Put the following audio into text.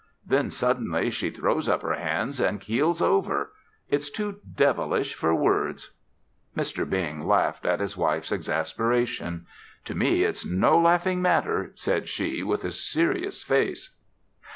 Then, suddenly, she throws up her hands and keels over. It's too devilish for words." Mr. Bing laughed at his wife's exasperation. "To me, it's no laughing matter," said she with a serious face.